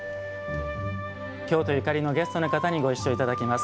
京都ゆかりのゲストの方にご一緒いただきます。